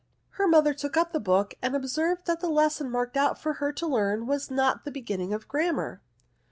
'* Her mother took up the book^ and observed that the lesson marked out for her to learn was not the beginning of the Grammar.